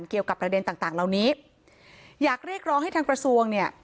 เกี่ยวกับประเด็นต่างต่างเหล่านี้อยากเรียกร้องให้ทางกระทรวงเนี่ย